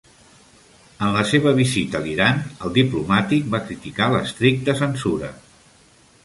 En la seva visita a l'Iran, el diplomàtic va criticar l'estricta censura.